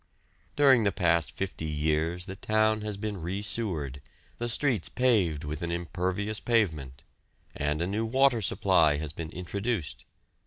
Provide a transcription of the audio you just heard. During the past fifty years the town has been re sewered, the streets paved with an impervious pavement, and a new water supply has been introduced.